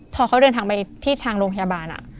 พอเขาเดินทางไปที่ทางโรงพยาบาล